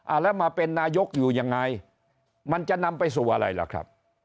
แล้วมาเป็นนายกอยู่ยังไงมันจะนำไปสู่อะไรล่ะครับ